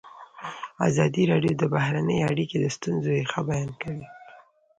ازادي راډیو د بهرنۍ اړیکې د ستونزو رېښه بیان کړې.